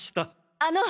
あの！